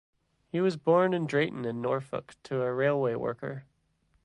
He was born in Drayton in Norfolk to a railway worker.